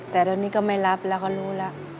แต่ตอนนี้ก็ไม่รับแล้วเขารู้แล้ว